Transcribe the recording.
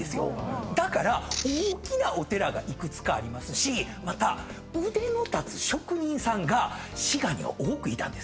だから大きなお寺が幾つかありますしまた腕の立つ職人さんが滋賀には多くいたんですよね。